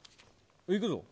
行くぞ。